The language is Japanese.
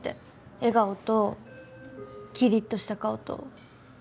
笑顔ときりっとした顔と。